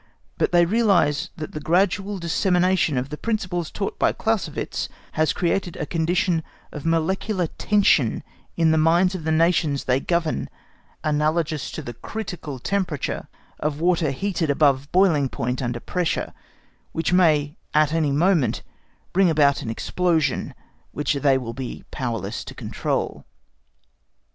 But they realise that the gradual dissemination of the principles taught by Clausewitz has created a condition of molecular tension in the minds of the Nations they govern analogous to the "critical temperature of water heated above boiling point under pressure," which may at any moment bring about an explosion which they will be powerless to control.